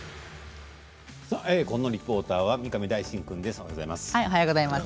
このリポーターは三上大進君です。